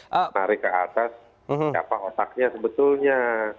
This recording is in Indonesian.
menarik ke atas siapa otaknya sebetulnya